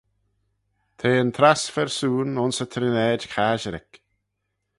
T'eh yn trass phersoon ayns y trinaid casherick.